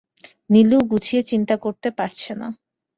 নীলু গুছিয়ে চিন্তা করতে পারছে না।